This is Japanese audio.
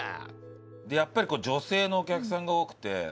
やっぱり女性のお客さんが多くて１２月だから。